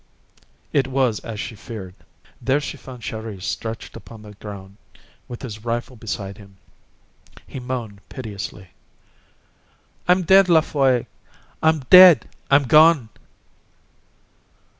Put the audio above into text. It was as she feared. There she found Chéri stretched upon the ground, with his rifle beside him. He moaned piteously:— "I'm dead, La Folle! I'm dead! I'm gone!"